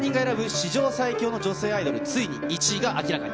史上最強の女性アイドル、ついに１位が明らかに。